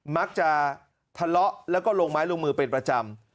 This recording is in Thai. มักจะทะเลาะแล้วก็ลงไม้ลงมือเป็นประจำ